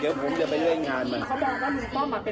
ก็เขาบอกว่ากินกันแล้วแบ่งกันแล้วคนละ